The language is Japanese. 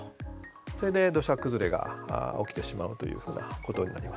それで土砂崩れが起きてしまうというふうなことになります。